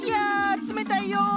冷たいよ！